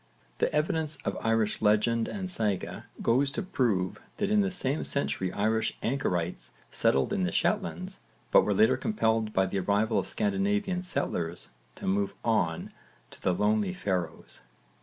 The evidence of Irish legend and saga goes to prove that in the same century Irish anchorites settled in the Shetlands but were later compelled by the arrival of Scandinavian settlers to move on to the lonely Faroes.